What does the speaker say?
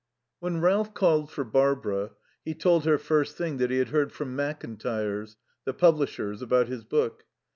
3 When Ralph called for Barbara he told her, first thing, that he had heard from Mackintyres, the publishers, about his book.